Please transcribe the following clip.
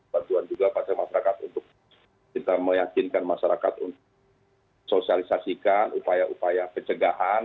bantuan juga pada masyarakat untuk kita meyakinkan masyarakat untuk sosialisasikan upaya upaya pencegahan